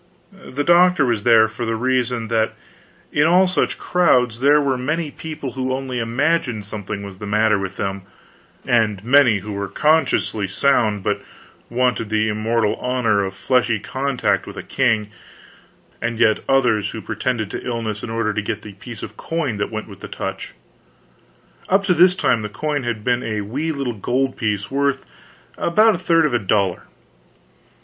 The doctor was there for the reason that in all such crowds there were many people who only imagined something was the matter with them, and many who were consciously sound but wanted the immortal honor of fleshly contact with a king, and yet others who pretended to illness in order to get the piece of coin that went with the touch. Up to this time this coin had been a wee little gold piece worth about a third of a dollar.